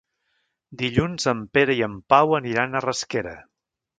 Dilluns en Pere i en Pau aniran a Rasquera.